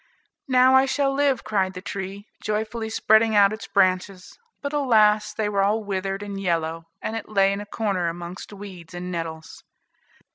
"Now I shall live," cried the tree, joyfully spreading out its branches; but alas! they were all withered and yellow, and it lay in a corner amongst weeds and nettles.